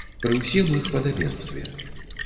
Пры ўсім іх падабенстве.